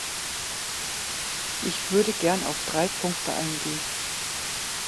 Ich würde gern auf drei Punkte eingehen.